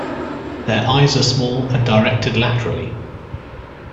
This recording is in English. Their eyes are small and directed laterally.